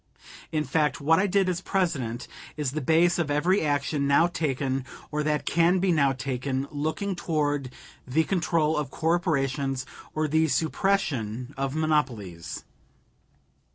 In fact, what I did as President is the base of every action now taken or that can be now taken looking toward the control of corporations, or the suppression of monopolies.